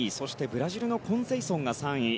ブラジルのコンセイソンが３位。